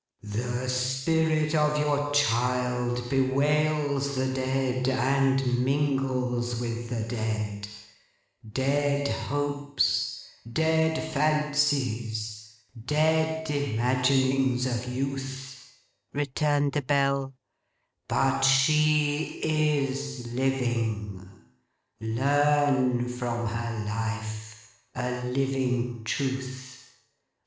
'The Spirit of your child bewails the dead, and mingles with the dead—dead hopes, dead fancies, dead imaginings of youth,' returned the Bell, 'but she is living. Learn from her life, a living truth.